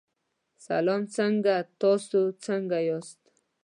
سلام څنګه تاسو څنګه یاست.